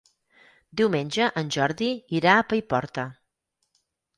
Diumenge en Jordi irà a Paiporta.